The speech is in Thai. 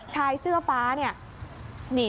ชายเสื้อฟ้าเนี่ย